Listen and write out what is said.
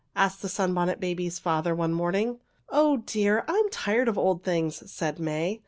asked the Sunbonnet Babies' father one morning. "Oh, dear! I am tired of old things," said May.